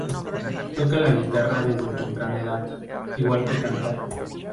Toca la guitarra desde temprana edad, igual que cantar.